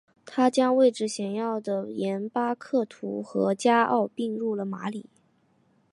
他将位置显要的廷巴克图和加奥并入了马里。